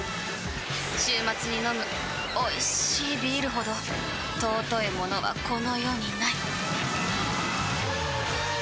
週末に飲むおいしいビールほど尊いものはこの世にない！